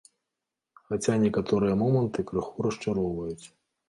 Хаця некаторыя моманты крыху расчароўваюць.